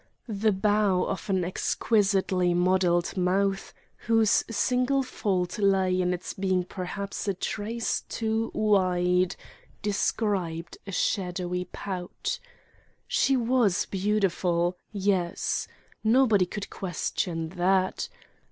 The bow of an exquisitely modelled mouth, whose single fault lay in its being perhaps a trace too wide, described a shadowy pout. She was beautiful: yes. Nobody could question that.